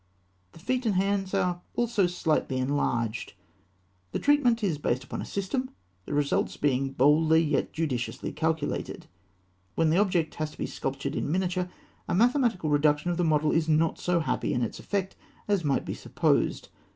The feet and hands are also slightly enlarged. This treatment is based upon a system, the results being boldly and yet judiciously calculated. When the object has to be sculptured in miniature, a mathematical reduction of the model is not so happy in its effect as might be supposed.